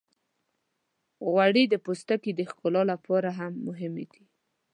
غوړې د پوستکي د ښکلا لپاره هم مهمې دي.